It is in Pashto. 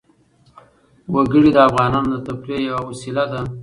وګړي د افغانانو د تفریح یوه وسیله ده.